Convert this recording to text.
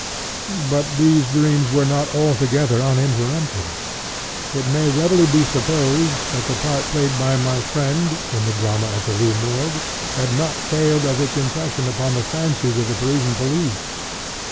But these dreams were not altogether uninterrupted. It may readily be supposed that the part played by my friend, in the drama at the Rue Morgue, had not failed of its impression upon the fancies of the Parisian police.